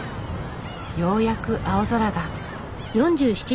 ようやく青空が。